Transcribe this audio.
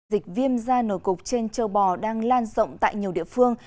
dịch viêm da nổi cục trên châu bò đang lan rộng tại nhiều địa phương